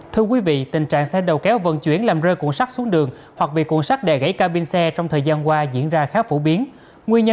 thưa quý vị tình trạng xe đầu kéo vận chuyển làm rơi cuộn sắt xuống đường hoặc bị cuộn sắt đè gãy cao pin xe trong thời gian qua diễn ra khá phổ biến